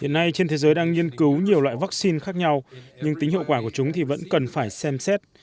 hiện nay trên thế giới đang nghiên cứu nhiều loại vaccine khác nhau nhưng tính hiệu quả của chúng thì vẫn cần phải xem xét